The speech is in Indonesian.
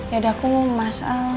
ya udah aku mau mas al